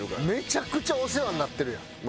めちゃくちゃお世話になってるやん。